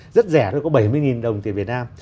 rất rẻ rồi có bảy mươi đồng tiền việt nam